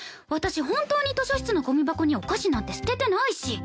本当に図書室のゴミ箱にお菓子なんて捨ててないし。